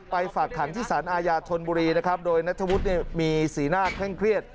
ฝากขังที่สารอาญาธนบุรีนะครับโดยนัทวุฒิมีสีหน้าเคร่งเครียด